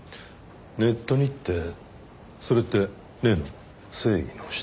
ネットにってそれって例の正義の使徒。